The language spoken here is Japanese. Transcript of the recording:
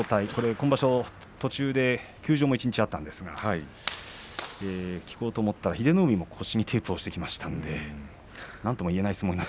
今場所、途中で休場も一日あったんですが英乃海も腰にテープをしてきましたのでなんとも言えない